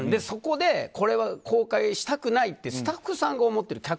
そこでこれは公開したくないってスタッフさんが思っている。